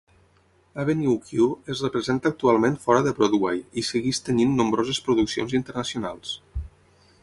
"Avenue Q" es representa actualment fora de Broadway i segueix tenint nombroses produccions internacionals.